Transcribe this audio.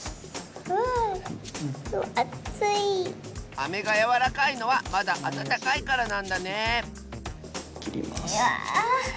アメがやわらかいのはまだあたたかいからなんだねえきります。